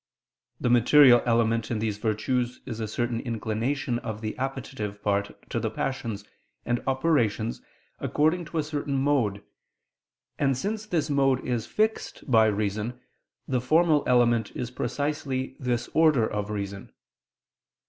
The material element in these virtues is a certain inclination of the appetitive part to the passions and operations according to a certain mode: and since this mode is fixed by reason, the formal element is precisely this order of reason.